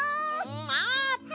まって！